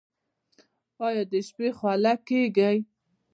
ایا د شپې خوله کیږئ؟